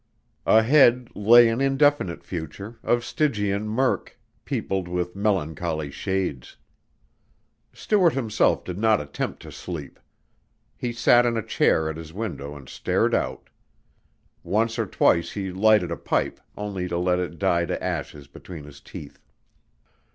Ahead lay an indefinite future, of Stygian murk, peopled with melancholy shades. Stuart himself did not attempt to sleep. He sat in a chair at his window and stared out. Once or twice he lighted a pipe, only to let it die to ashes between his teeth.